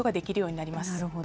なるほど。